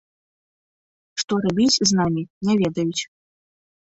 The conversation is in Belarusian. Што рабіць з намі, не ведаюць.